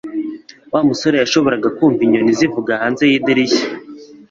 Wa musore yashoboraga kumva inyoni zivuga hanze yidirishya